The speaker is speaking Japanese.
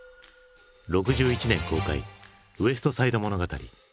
６１年公開「ウエスト・サイド物語」。